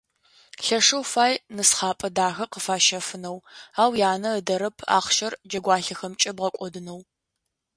Лъэшэу фай нысхъапэ дахэ къыфащэфынэу, ау янэ ыдэрэп ахъщэр джэгуалъэхэмкӏэ бгъэкӏодынэу.